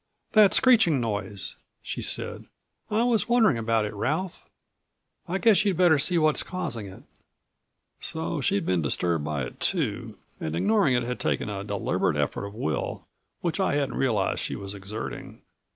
"That screeching noise," she said. "I was wondering about it, Ralph. I guess you'd better see what's causing it." So she'd been disturbed by it too, and ignoring it had taken a deliberate effort of will which I hadn't realized she was exerting.